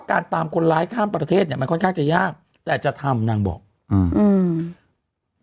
ตามคนร้ายข้ามประเทศเนี้ยมันค่อนข้างจะยากแต่จะทำนางบอกอืมอืม